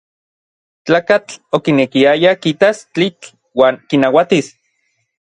Tlakatl okinekiaya kitas tlitl uan kinauatis.